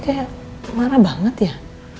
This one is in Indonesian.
kayak marah banget ya